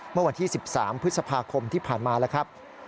เมื่อวันที่๑๓พคที่ผ่านมา